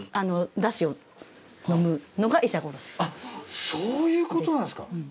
あっそういうことなんですか。